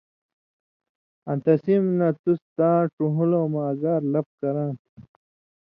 آں تسی نہ تُس تاں ڇُن٘ہُلوۡ مہ (اگار) لپ کراں تھہ